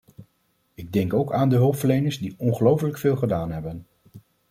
Ik denk ook aan de hulpverleners die ongelooflijk veel gedaan hebben.